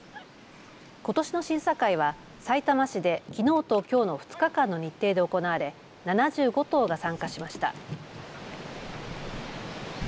ことしの審査会はさいたま市できのうときょうの２日間の日程で行われ７５頭が参加しました。